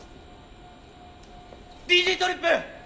ＤＧトリップ！